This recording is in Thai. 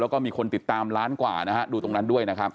แล้วก็มีคนติดตามล้านกว่านะฮะดูตรงนั้นด้วยนะครับ